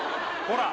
「ほら」